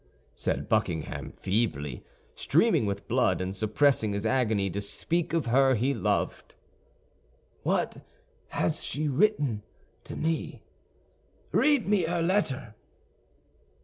said Buckingham, feebly, streaming with blood, and suppressing his agony to speak of her he loved, "what has she written to me? Read me her letter."